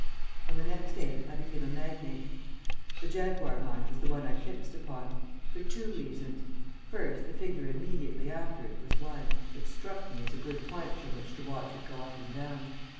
On the next day I became a magnate. The Jaguar Mine was the one I fixed upon for two reasons. First, the figure immediately after it was 1, which struck me as a good point from which to watch it go up and down.